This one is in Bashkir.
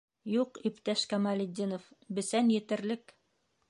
Юҡ, иптәш Камалетдинов, бесән етерлек.